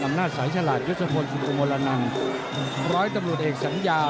อำนาจสายฉลาดยศพลสุพมลนังร้อยตำรวจเอกสัญญา